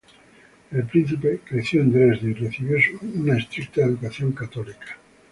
El príncipe creció en Dresde y recibió un estricta educación católica.